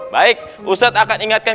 baik ustadz akan ingatkan